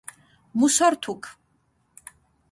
მუსორთუქქ